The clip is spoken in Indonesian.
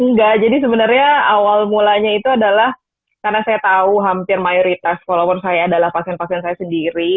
enggak jadi sebenarnya awal mulanya itu adalah karena saya tahu hampir mayoritas follower saya adalah pasien pasien saya sendiri